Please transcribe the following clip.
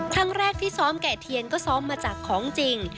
ครั้งแรกที่ซ้อมแก่เทียนก็ซ้อมมาจากของจริง